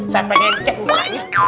saya pengen chat rumahnya